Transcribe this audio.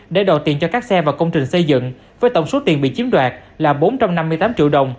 để đòi tiền cho các xe và công trình xây dựng với tổng số tiền bị chiếm đoạt là bốn trăm năm mươi tám triệu đồng